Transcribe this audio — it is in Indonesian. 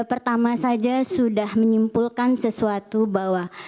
pertama saja sudah menyimpulkan sesuatu bahwa